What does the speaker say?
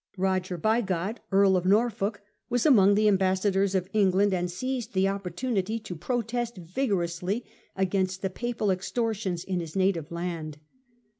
Roger Bigod, Earl of Norfolk, was among the ambassadors of England and seized the opportunity to protest vigorously against the Papal extortions in his native land.